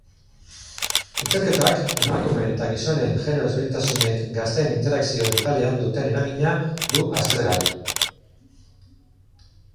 Ikerketak emakumeen eta gizonen genero desberdintasunek gazteen interakzio digitalean duten eragina du aztergai.